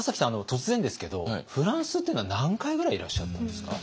突然ですけどフランスっていうのは何回くらいいらっしゃったんですか？